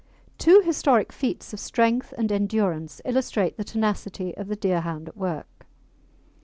Two historic feats of strength and endurance illustrate the tenacity of the Deerhound at work.